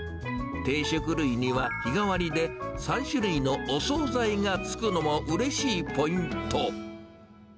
定食類には、日替わりで３種類のお総菜がつくのもうれしいポイント。